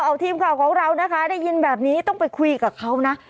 เอาทีมข่าวของเรานะคะได้ยินแบบนี้ต้องไปคุยกับเขานะ